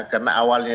karena awalnya itu